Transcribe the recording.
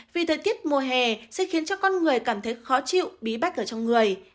vì thời tiết mùa hè sẽ khiến cho con người cảm thấy khó chịu bí bách ở trong người